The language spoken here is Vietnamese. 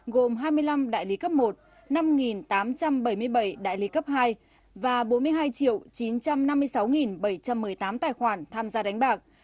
gồm hai mươi năm đại lý cấp một năm tám trăm bảy mươi bảy đại lý cấp hai và bốn mươi hai chín trăm năm mươi sáu bảy trăm một mươi tám tài khoản tham gia đánh bạc